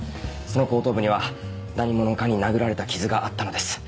その後頭部には何者かに殴られた傷があったのです。